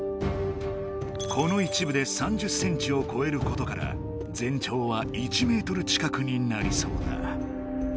この一部で３０センチをこえることから全長は１メートル近くになりそうだ。